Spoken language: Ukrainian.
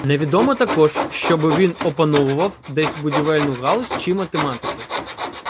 Невідомо також, щоби він опановував десь будівельну галузь чи математику.